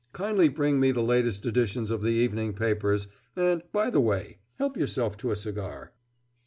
Kindly bring me the latest editions of the evening papers, and, by the way, help yourself to a cigar."